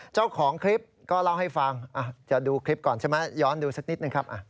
เจ้าของคลิปก็เล่าให้ฟังจะดูคลิปก่อนใช่ไหมย้อนดูสักนิดนึงครับ